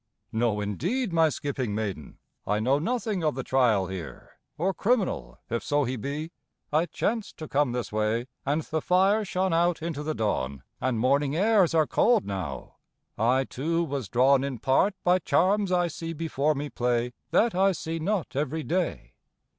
"No indeed, my skipping maiden: I know nothing of the trial here, Or criminal, if so he be.—I chanced to come this way, And the fire shone out into the dawn, and morning airs are cold now; I, too, was drawn in part by charms I see before me play, That I see not every day."